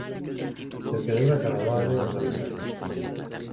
Se celebra cada dos años en Novi Sad.